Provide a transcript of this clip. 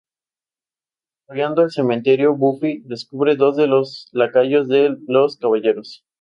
Patrullando el cementerio, Buffy descubre dos de los lacayos de Los Caballeros.